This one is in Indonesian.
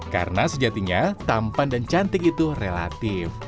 karena sejatinya tampan dan cantik itu relatif